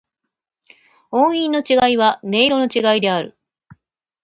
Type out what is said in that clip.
音韻の違いは、音色の違いである。